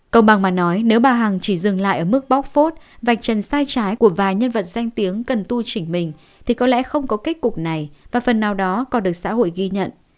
công bằng mà nói nếu bà hằng chỉ dừng lại ở mức bóc phốt vạch trần sai trái của vài nhân vật danh tiếng cần tu chỉnh mình thì có lẽ không có kết cục này và phần nào đó còn được xã hội ghi nhận